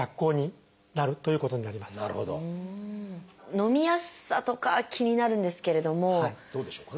のみやすさとか気になるんですけれどもどうでしょう？